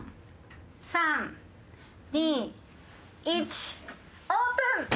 オープン。